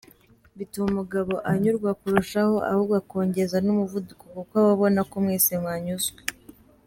Bituma umugabo anyurwa kurushaho ahubwo akongeza n’umuvuduko kuko aba abona ko mwese mwanyuzwe.